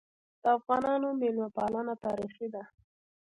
د افغانانو مېلمه پالنه تاریخي ده.